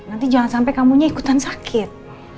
nanti jangan sampai kamunya ikutan sakit